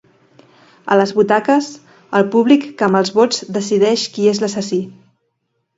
A les butaques: el públic que amb els vots decideix qui és l’assassí.